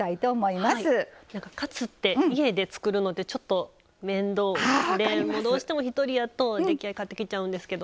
カツって家で作るのってちょっと面倒でどうしても一人やと出来合い買ってきちゃうんですけど。